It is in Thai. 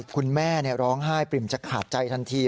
คุณแม่ร้องไห้ปริ่มจะขาดใจทันที